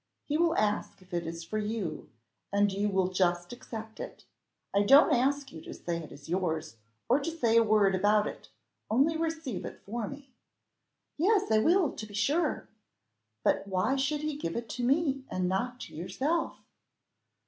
He will ask if it is for you. And you will just accept of it. I don't ask you to say it is yours, or to say a word about it only receive it for me." "Yes, I will, to be sure. But why should he give it to me, and not to yourself?"